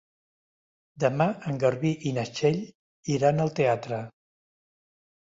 Demà en Garbí i na Txell iran al teatre.